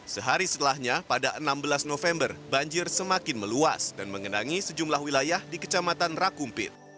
sehari setelahnya pada enam belas november banjir semakin meluas dan mengenangi sejumlah wilayah di kecamatan rakumpit